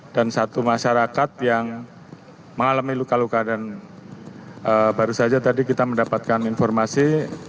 satu masyarakat yang mengalami luka luka dan baru saja tadi kita mendapatkan informasi